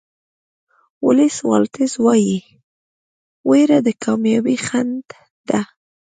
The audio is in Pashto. ولېس واټلز وایي وېره د کامیابۍ خنډ ده.